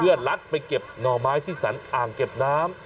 เพื่อลัดไปเก็บหน่อไม้ที่สรรอ่างเก็บน้ำ